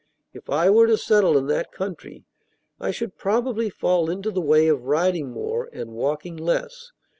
If I were to settle in that country, I should probably fall into the way of riding more, and walking less.